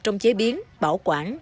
trong chế biến bảo quản